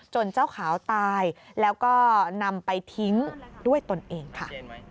เจ้าขาวตายแล้วก็นำไปทิ้งด้วยตนเองค่ะ